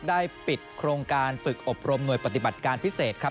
ได้ปิดโครงการฝึกอบรมหน่วยปฏิบัติการพิเศษครับ